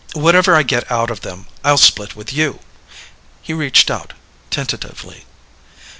Whatever I get out of them, I'll split with you." He reached out tentatively.